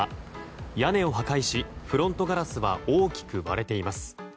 屋根を破壊しフロントガラスは大きく割れています。